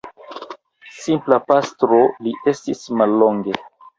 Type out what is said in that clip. Simpla pastro li estis mallonge.